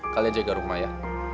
kalian jaga rumah ya